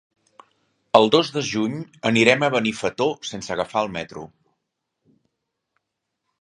El dos de juny anirem a Benifato sense agafar el metro.